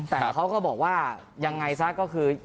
แต่เขาก็บอกว่ายังไงซะก็คือ